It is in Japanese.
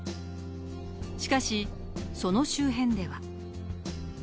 しかしその周辺では。